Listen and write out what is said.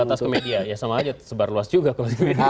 terbatas ke media ya sama saja sebar luas juga